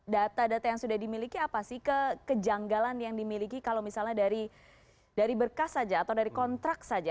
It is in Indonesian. data data yang sudah dimiliki apa sih kejanggalan yang dimiliki kalau misalnya dari berkas saja atau dari kontrak saja